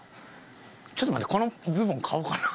ちょっと待ってこのズボン買おかな。